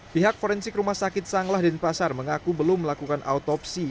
pihak forensik rumah sakit sang lahden pasar mengaku belum melakukan autopsi